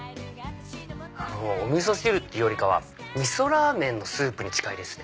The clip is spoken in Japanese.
お味噌汁っていうよりかは味噌ラーメンのスープに近いです。